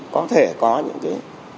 có thể có những hành vi